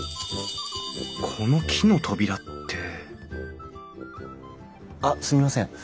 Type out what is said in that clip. この木の扉ってあっすみません。